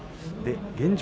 現状